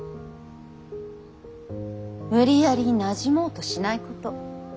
無理やりなじもうとしないこと。